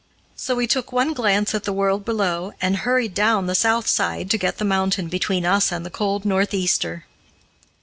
So we took one glance at the world below and hurried down the south side to get the mountain between us and the cold northeaster.